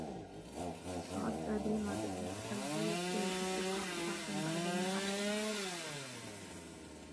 رد ديما بأن سأل: " هل يقتل الأصدقاء بعضًا بعد المعاشرة ؟"